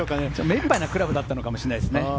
目いっぱいのクラブだったのかもしれないですね。